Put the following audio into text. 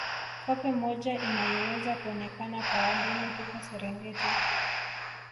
Koppe moja inayoweza kuonekana kwa wageni huko Serengeti